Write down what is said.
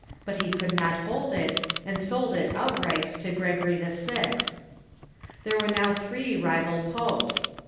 But he could not hold it, and sold it outright to Gregory VI. There were now three rival popes.